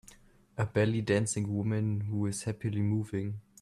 A belly dancing woman who is happily moving.